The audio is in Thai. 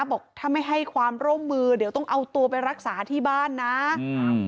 บอกถ้าไม่ให้ความร่วมมือเดี๋ยวต้องเอาตัวไปรักษาที่บ้านนะอืม